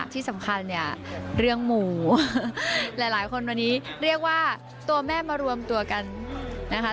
ที่สำคัญเนี่ยเรื่องหมูหลายคนวันนี้เรียกว่าตัวแม่มารวมตัวกันนะคะ